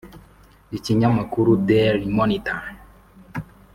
Ikinyamakuru Daily Monitor